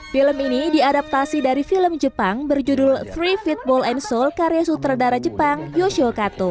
film ini diadaptasi dari film jepang berjudul free fitball and soul karya sutradara jepang yoshio kato